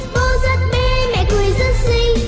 bố rất bê mẹ cười rất xinh